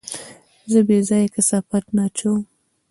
زه بېځايه کثافات نه اچوم.